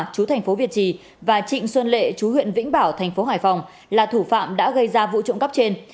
chú tp việt trì và trịnh xuân lệ chú huyện vĩnh bảo tp hải phòng là thủ phạm đã gây ra vụ trộm cắp trên